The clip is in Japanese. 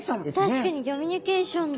確かにギョミュニケーションだ。